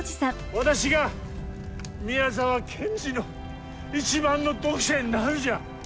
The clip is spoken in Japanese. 私が宮沢賢治の一番の読者になるんじゃ！